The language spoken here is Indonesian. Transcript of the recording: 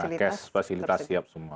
iya nakes fasilitas siap semua